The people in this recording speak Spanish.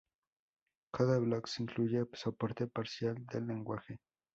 Code::Blocks incluye soporte parcial del lenguaje.